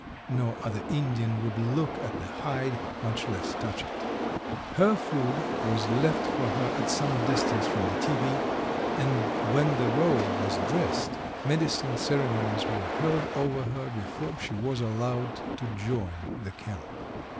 No other Indian would look at the hide, much less touch it. Her food was left for her at some distance from the tepee and when the robe was dressed, medicine ceremonies were held over her before she was allowed to join the camp."